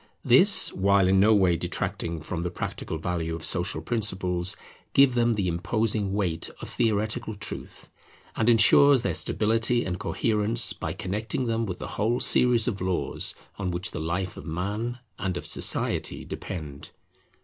This, while in no way detracting from the practical value of social principles, give them the imposing weight of theoretical truth; and ensures their stability and coherence, by connecting them with the whole series of laws on which the life of man and of society depend.